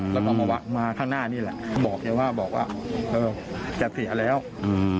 แล้วก็มาข้างหน้านี่แหละบอกแกว่าบอกว่าเออจะเสียแล้วอืม